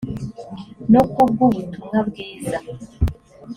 no ku bw ubutumwa bwiza